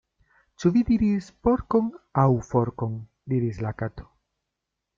"Ĉu vi diris porkon, aŭ forkon?" diris la Kato.